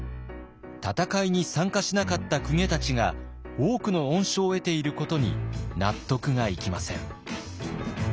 戦いに参加しなかった公家たちが多くの恩賞を得ていることに納得がいきません。